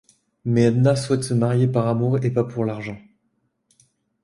Mais Edna souhaite se marier par amour et pas pour l'argent.